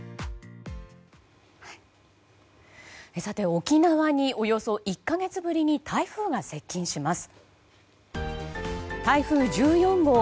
沖縄におよそ１か月ぶりに台風が接近します。